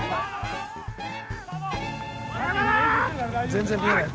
全然見えない。